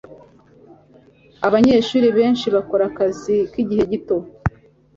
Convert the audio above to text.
Abanyeshuri benshi bakora akazi k'igihe gito.